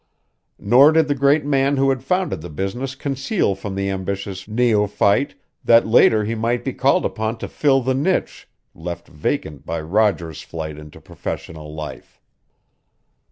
Nor did the great man who had founded the business conceal from the ambitious neophyte that later he might be called upon to fill the niche left vacant by Roger's flight into professional life.